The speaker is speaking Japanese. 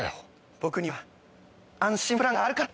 僕にはあんしんプランがあるから！